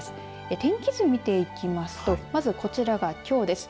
天気図を見ていきますとまずこちらが、きょうです。